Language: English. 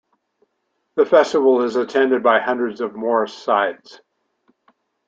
The festival is attended by hundreds of Morris sides.